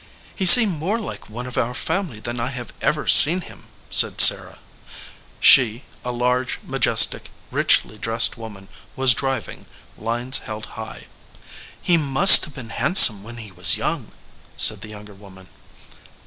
"He seemed more like one of our family than I have ever seen him," said Sarah. She, a large, majestic, richly dressed woman, was driving, lines held high. "He must have been handsome when he was young," said the younger woman.